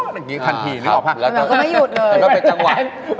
มันก็ไม่หยุดเลย